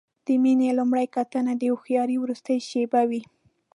د مینې لومړۍ کتنه د هوښیارۍ وروستۍ شېبه وي.